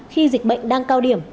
khi dịch bệnh đang cao điểm